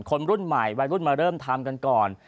คนรุ่นใหม่วัยรุ่นมาเริ่มทำกันก่อน